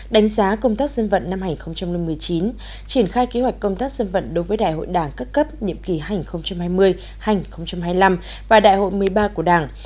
đánh giá công tác dân vận năm hai nghìn một mươi chín triển khai kế hoạch công tác dân vận đối với đại hội đảng các cấp nhiệm kỳ hành hai mươi hai nghìn hai mươi năm và đại hội một mươi ba của đảng